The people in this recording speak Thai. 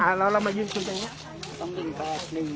อะแล้วเรามายืนส่วนสังสรรค์นะ